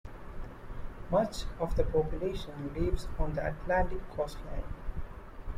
Much of the population lives on the Atlantic coastline.